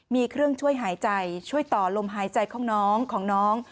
มีเครื่องช่วยหายใจช่วยต่อลมหายใจของน้องของน้อง